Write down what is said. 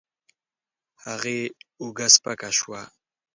هغې اوږه سپکه شوه.